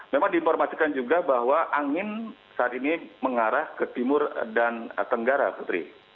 memang diinformasikan juga bahwa angin saat ini mengarah ke timur dan tenggara putri